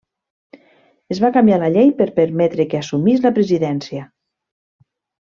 Es va canviar la llei per permetre que assumís la presidència.